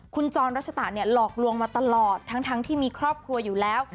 คุณจรรัชตะเนี่ยหลอกลวงมาตลอดทั้งที่มีครอบครัวอยู่แล้ว